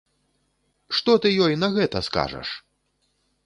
Што ты ёй на гэта скажаш?!